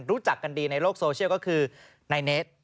รู้จักกันดีในโลกโซเชียลก็คือนายเนส